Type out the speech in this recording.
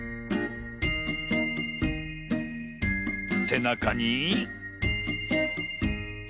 せなかに。